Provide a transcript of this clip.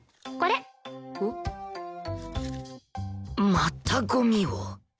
またゴミを